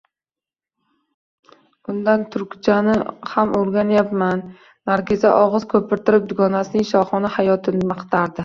Undan turkchani ham o`rganyapman, Nargiza og`iz ko`pirtirib dugonasining shohona hayotini maqtardi